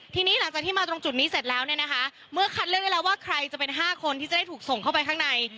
ทีนี้หลังจากที่มาตรงจุดนี้เสร็จแล้วเนี่ยนะคะเมื่อคัดเลือกได้แล้วว่าใครจะเป็น๕คนที่จะได้ถูกส่งเข้าไปข้างใน